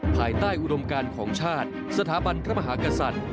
ภายใต้อุดมการของชาติสถาบันพระมหากษัตริย์